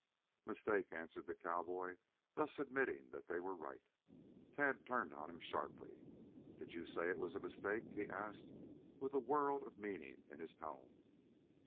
"Mistake," answered the cowboy, thus admitting that they were right. Tad turned on him sharply. "Did you say it was a mistake?" he asked with a world of meaning in his tone.